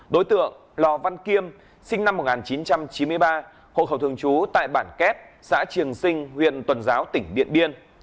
đối tượng lò văn kiêm sinh năm một nghìn chín trăm chín mươi ba hộ khẩu thường trú tại bản kép xã triềng sinh huyện tuần giáo tỉnh điện biên